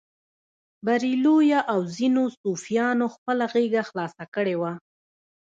بریلویه او ځینو صوفیانو خپله غېږه خلاصه کړې وه.